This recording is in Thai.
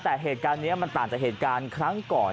แต่เหตุการณ์นี้มันต่างจากเหตุการณ์ครั้งก่อน